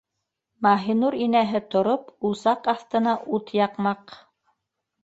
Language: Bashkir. Маһинур инәһе тороп, усаҡ аҫтына ут яҡмаҡ